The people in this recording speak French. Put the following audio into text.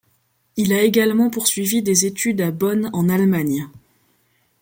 Il a également poursuivi des études à Bonn en Allemagne.